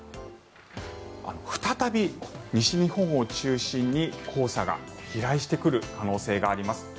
再び西日本を中心に黄砂が飛来してくる可能性があります。